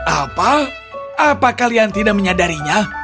apa apa kalian tidak menyadarinya